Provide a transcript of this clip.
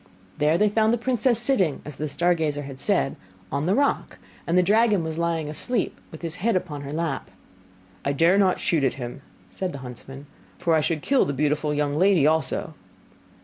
There they found the princess sitting, as the star gazer had said, on the rock; and the dragon was lying asleep, with his head upon her lap. 'I dare not shoot at him,' said the huntsman, 'for I should kill the beautiful young lady also.